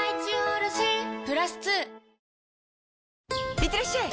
いってらっしゃい！